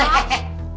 makasih ya pak retek